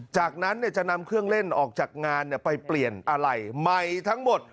จากนั้นจะนำเครื่องเล่นออกจากงานไปเปลี่ยนอะไรใหม่ทั้งหมด